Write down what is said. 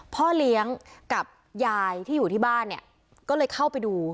พ่อเลี้ยงกับยายที่อยู่ที่บ้านเนี่ยก็เลยเข้าไปดู